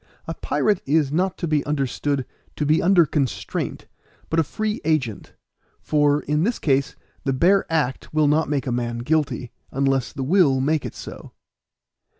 A pirate is not to be understood to be under constraint, but a free agent; for, in this case, the bare act will not make a man guilty, unless the will make it so.